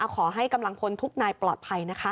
ขอให้กำลังพลทุกนายปลอดภัยนะคะ